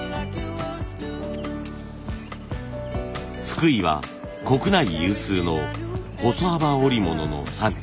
福井は国内有数の細幅織物の産地。